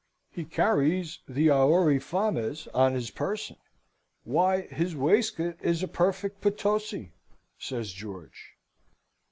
"He carries the auri fames on his person. Why, his waistcoat is a perfect Potosi!" says George.